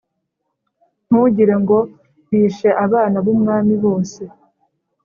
ntugire ngo bishe abana b’umwami bose